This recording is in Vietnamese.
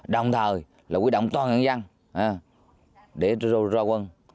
đồng thời là quy động toàn nhân dân để ra quân